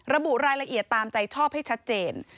ระบุรายละเอียดตามใจชอบให้ชัดเจน